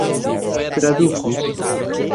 tradukus